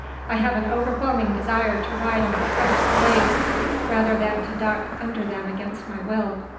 I have an overwhelming desire to ride on the crest of the waves, rather than to duck under them against my will."